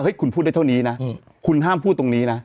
คุณพูดได้เท่านี้นะคุณห้ามพูดตรงนี้นะ